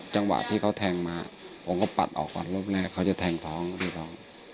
จังหวะที่เค้าแทงมาผมก็ปัดออกก่อนลมแล้วเค้าจะแทงท้องดูลง